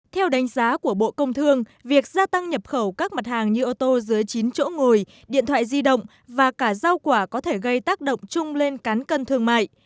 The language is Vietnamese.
theo đánh giá của bộ công thương việc gia tăng nhập khẩu các mặt hàng như ô tô dưới chín chỗ ngồi điện thoại di động và cả rau quả có thể gây tác động chung lên cán cân thương mại